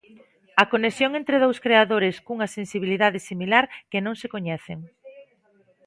A conexión entre dous creadores cunha sensibilidade similar que non se coñecen.